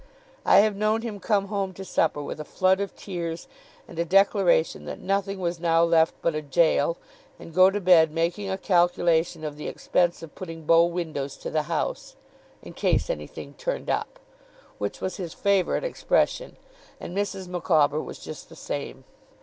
I have known him come home to supper with a flood of tears, and a declaration that nothing was now left but a jail; and go to bed making a calculation of the expense of putting bow windows to the house, 'in case anything turned up', which was his favourite expression. And Mrs. Micawber was just the same.